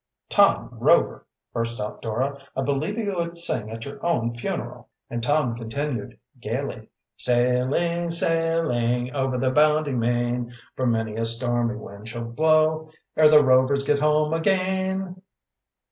"Tom Rover!" burst out Dora. "I believe you would sing at your own funeral!" And Tom continued gayly: "Sailing, sailing, over the bounding main, For many a stormy wind shall blow, Ere the Rovers get home again!"